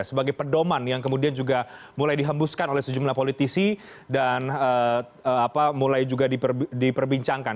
sebagai pedoman yang kemudian juga mulai dihembuskan oleh sejumlah politisi dan mulai juga diperbincangkan